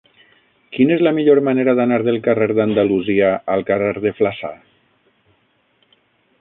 Quina és la millor manera d'anar del carrer d'Andalusia al carrer de Flaçà?